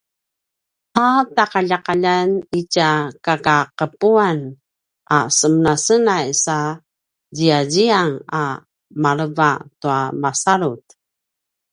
a taqaljaqaljan itja kakaqepuan a semenasenay sa ziyaziyan a maleva tua masalut